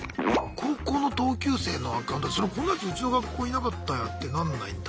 高校の同級生のアカウントそれこんなやつうちの学校いなかったやってなんないんだ？